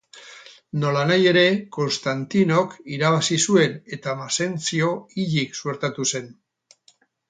Nolanahi ere, Konstantinok irabazi zuen eta Maxentzio hilik suertatu zen.